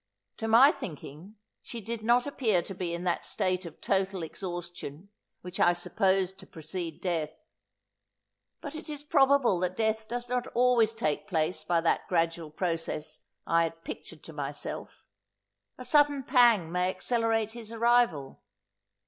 To my thinking, she did not appear to be in that state of total exhaustion, which I supposed to precede death; but it is probable that death does not always take place by that gradual process I had pictured to myself; a sudden pang may accelerate his arrival.